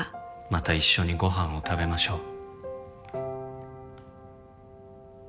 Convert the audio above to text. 「また一緒にご飯を食べましょう」